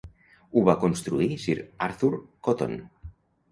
Ho va construir Sir Arthur Cotton.